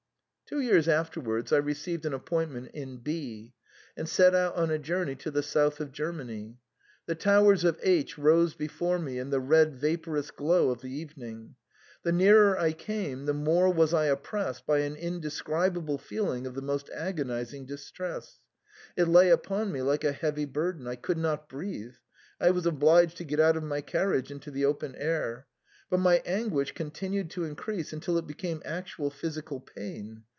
Two years afterwards I received an appointment in B r, and set out on a journey to the south of Ger many. The towers of H rose before me in the red vaporous glow of the evening ; the nearer I came the more was I oppressed by an indescribable feeling of the most agonising distress ; it lay upon me like a heavy burden ; I could not breathe ; I was obliged to get out of my carriage into the open air. But my an guish continued to increase until it became actual phys ical pain.